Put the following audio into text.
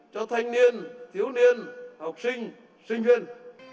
cho thanh niên thiếu niên học sinh sinh viên